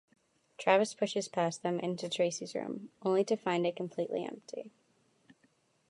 Travis pushes past them into Tracey's room, only to find it completely empty.